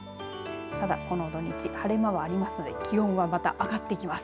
ただ、この土日晴れ間はありますので気温がまた上がっていきます。